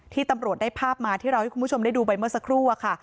ตำรวจได้ภาพมาที่เราให้คุณผู้ชมได้ดูไปเมื่อสักครู่อะค่ะ